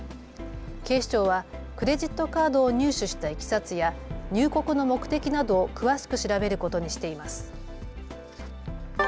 警視庁はクレジットカードを入手したいきさつや入国の目的などを詳しく調べることにしています。